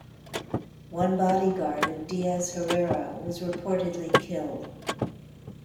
One body guard of Diaz Herrera was reportedly killed.